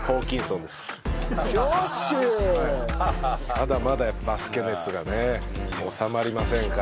まだまだやっぱバスケ熱がね収まりませんから。